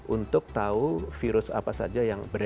untuk tahu virus apa saja yang berada